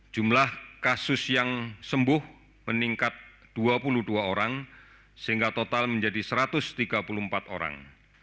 jumlah kasus yang sembuh meningkat dua puluh dua orang sehingga total menjadi satu ratus tiga puluh empat orang